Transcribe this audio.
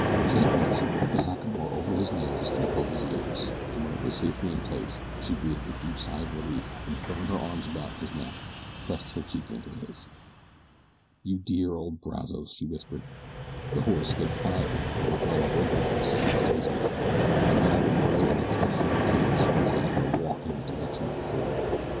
Gently she worked the hackamore over his nose and above his ears, and when it was safely in place she breathed a deep sigh of relief and throwing her arms about his neck pressed her cheek to his. "You dear old Brazos," she whispered. The horse stood quietly while the girl wriggled herself to his back, and then at a word and a touch from her heels moved off at a walk in the direction of the ford.